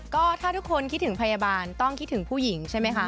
ก็ถ้าทุกคนคิดถึงพยาบาลต้องคิดถึงผู้หญิงใช่ไหมคะ